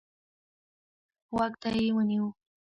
غوږ ته يې ونيو.